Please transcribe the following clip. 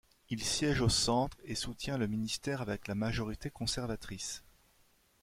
Il siège au centre et soutient le ministère avec la majorité conservatrice.